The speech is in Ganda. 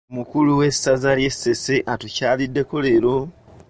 Owessaza ly’Essese atukyaliddeko leero.